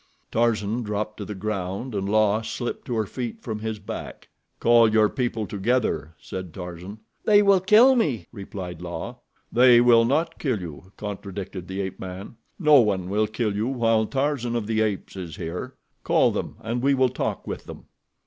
Tarzan dropped to the ground and La slipped to her feet from his back. "Call your people together," said Tarzan. "They will kill me," replied La. "They will not kill you," contradicted the ape man. "No one will kill you while Tarzan of the Apes is here. Call them and we will talk with them."